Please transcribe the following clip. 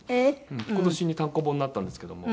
今年に単行本になったんですけども。